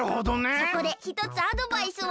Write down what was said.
そこでひとつアドバイスを。